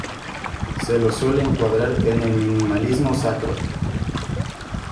Se lo suele encuadrar en el minimalismo sacro.